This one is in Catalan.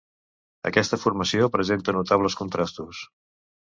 Aquesta formació presenta notables contrastos.